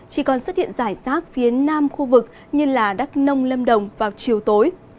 chỉ còn xuất hiện rải rác phía nam khu vực như đắk nông lâm đồng vào chiều tối